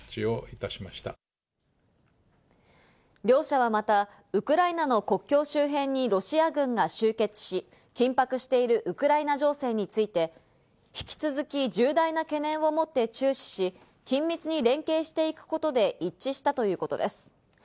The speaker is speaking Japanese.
両者はまた、ウクライナの国境周辺にロシア軍が集結し、緊迫しているウクライナ情勢について、引き続き重大な懸念を持って注視し、緊密に連携していくことで一致したということです。